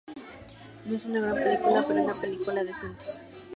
No es una gran película, pero una película decente.